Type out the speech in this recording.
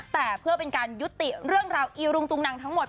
แต่เพื่อเป็นการยุติเรื่องราวอีรุงตุงนังทั้งหมด